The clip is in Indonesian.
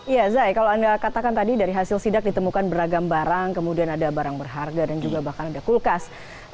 iya zai kalau anda katakan tadi dari hasil sidak ditemukan beragam barang kemudian ada barang berharga dan juga bahkan ada kulkas